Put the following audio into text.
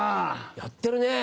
やってるね。